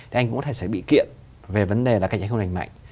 thì anh cũng có thể sẽ bị kiện về vấn đề là cạnh tranh không lành mạnh